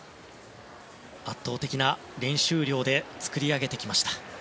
圧倒的な練習量で作り上げてきました。